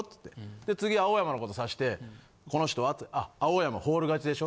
で次青山のこと指して「この人は？」って「青山フォール勝ちでしょ」。